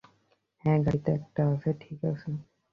হ্যা, গাড়িতে একটা আছে ঠিক আছে।